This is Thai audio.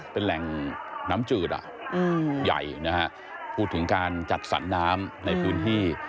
เป็นแหล่งน้ำจืดอ่ะใหญ่นะฮะพูดถึงการจัดสรรน้ำในพื้นที่